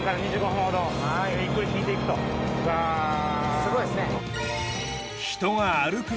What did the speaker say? すごいですね。